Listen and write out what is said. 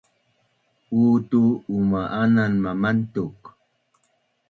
utu uma’anan mamantuk